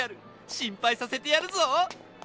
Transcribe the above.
心配させてやるぞ！